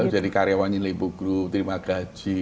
jadi karyawannya di lipo group terima gaji